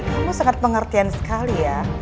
kamu sangat pengertian sekali ya